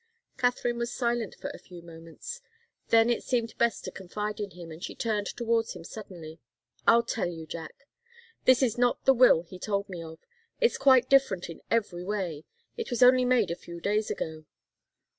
Katharine was silent for a few moments. Then it seemed best to confide in him, and she turned towards him suddenly. "I'll tell you, Jack. This is not the will he told me of. It's quite different in every way. It was only made a few days ago."